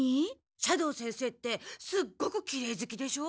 斜堂先生ってすっごくきれいずきでしょ？